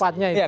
kalau itu pas